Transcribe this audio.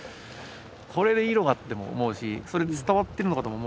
これでいいのかって思うしそれで伝わってるのかと思うし